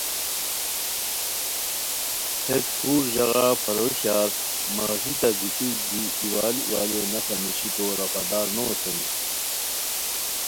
ہیت خور ژاغاپھارو شار مغژیتہ دی گیتی ایوال ایوالیو نسہ نیشیکو رفع دار نو اوشونی